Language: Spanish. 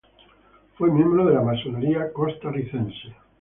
Fue miembro de la Masonería costarricense.